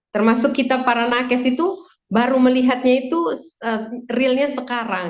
termasuk kita para nakes itu baru melihatnya itu realnya sekarang